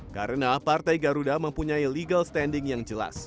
karena partai garuda mempunyai legal standing yang jelas